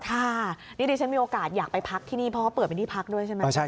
ค่ะนี่ดิฉันมีโอกาสอยากไปพักที่นี่เพราะว่าเปิดเป็นที่พักด้วยใช่ไหม